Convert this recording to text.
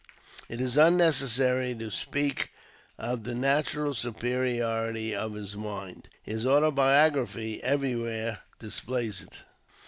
It is unnecessary to speak of the natural superiority of his AMEEICAN EDITION. 19 mind : his autobiography everywhere displays it.